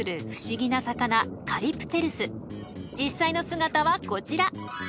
実際の姿はこちら。